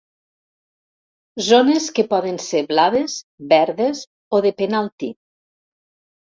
Zones que poden ser blaves, verdes o de penalti.